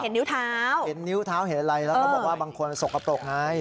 นิ้วเท้าเห็นนิ้วเท้าเห็นอะไรแล้วเขาบอกว่าบางคนสกปรกไง